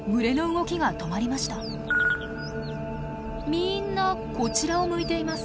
みんなこちらを向いています。